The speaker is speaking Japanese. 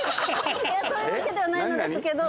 そういうわけではないんですけど。